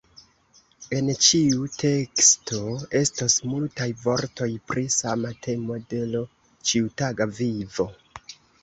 En ĉiu teksto estos multaj vortoj pri sama temo de l' ĉiutaga vivo.